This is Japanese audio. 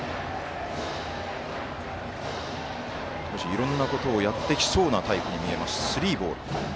いろんなことをやってきそうなタイプに見えます。